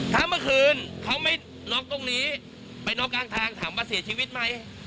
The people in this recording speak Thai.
ถ้าเมื่อคืนเขาไม่ล็อกตรงนี้ไปล็อกข้างทางถามว่าเสียชีวิตไหม